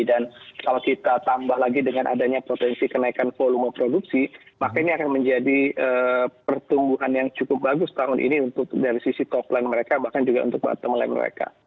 dan kalau kita tambah lagi dengan adanya potensi kenaikan volume produksi makanya akan menjadi pertumbuhan yang cukup bagus tahun ini dari sisi top line mereka bahkan juga untuk bottom line mereka